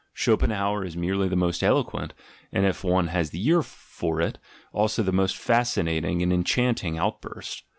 Schopenhauer is merely the most eloquent, and if one has the ear for it, also the most fascinating and enchanting outburst.